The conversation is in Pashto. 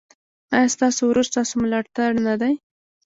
ایا ستاسو ورور ستاسو ملاتړ نه دی؟